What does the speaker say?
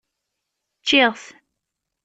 Ččiɣ-t.